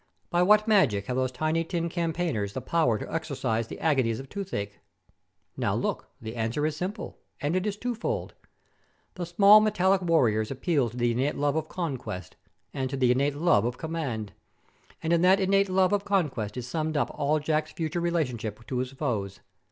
By what magic have those tiny tin campaigners the power to exorcise the agonies of toothache? Now look; the answer is simple, and it is twofold. The small metallic warriors appeal to the innate love of Conquest and to the innate love of Command. And in that innate love of Conquest is summed up all Jack's future relationship to his foes.